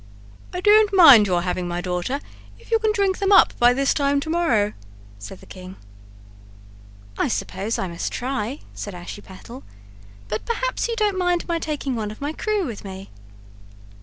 "I don't mind your having my daughter if you can drink them up by this time to morrow," said the king. "I suppose I must try," said Ashiepattle, "but perhaps you don't mind my taking one of my crew with me?"